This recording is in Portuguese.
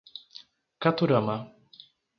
Caturama